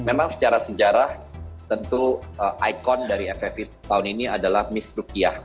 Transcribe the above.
memang secara sejarah tentu ikon dari ffv tahun ini adalah miss rukiah